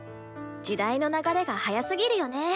時代の流れが早すぎるよね。